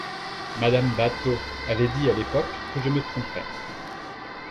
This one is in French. Madame Batho avait dit à l’époque que je me trompais.